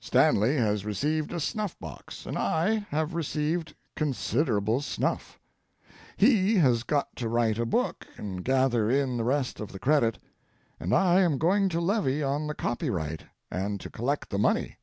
Stanley has received a snuff box and I have received considerable snuff; he has got to write a book and gather in the rest of the credit, and I am going to levy on the copyright and to collect the money.